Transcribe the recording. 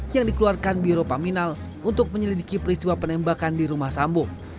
yang dikeluarkan biro paminal untuk menyelidiki peristiwa penembakan di rumah sambu